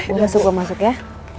bukan suka masuk ya